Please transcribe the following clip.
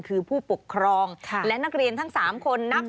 คือผู้ปกครองและนักเรียนทั้ง๓คนนับ